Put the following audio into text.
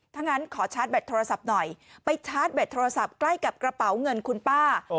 ถ้างั้นขอชาร์จแบตโทรศัพท์หน่อยไปชาร์จแบตโทรศัพท์ใกล้กับกระเป๋าเงินคุณป้า